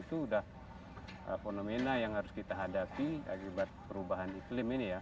itu sudah fenomena yang harus kita hadapi akibat perubahan iklim ini ya